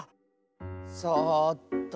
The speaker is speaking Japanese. そっと。